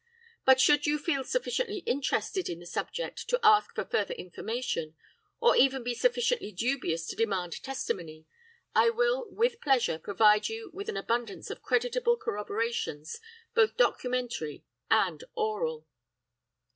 But should you feel sufficiently interested in the subject to ask for further information, or even be sufficiently dubious to demand testimony, I will with pleasure provide you with an abundance of creditable corroborations both documentary and oral.